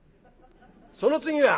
「その次は？」。